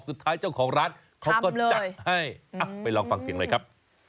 สุดท้ายเจ้าของร้านเขาก็จัดให้ไปลองฟังเสียงหน่อยครับ